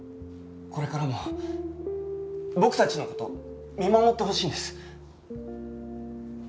これからも僕たちの事見守ってほしいんです。